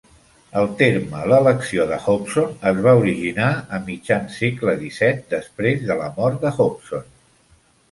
El terme "l'elecció de Hobson" es va originar a mitjan segle XVII, després de la mort de Hobson.